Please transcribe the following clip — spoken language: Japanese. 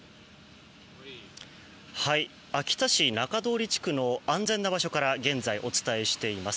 秋田市の安全な場所から現在、お伝えしております。